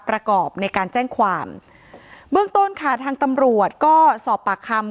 ประกอบในการแจ้งความเบื้องต้นค่ะทางตำรวจก็สอบปากคำ